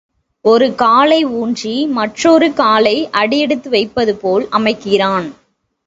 ஒரு காலை ஊன்றி மற்றொரு காலை அடியெடுத்து வைப்பது போல் அமைக்கிறான்.